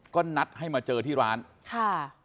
ก็นัดให้มาเจอที่ร้านค่ะ